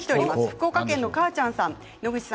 福岡県の方です。